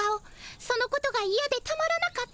そのことがイヤでたまらなかった。